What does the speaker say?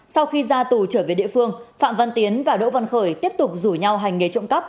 sau khi ra tù trở về địa phương phạm văn tiến và đỗ văn khởi tiếp tục rủ nhau hành nghề trộm cắp